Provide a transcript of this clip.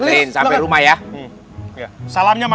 trin sampai rumah ya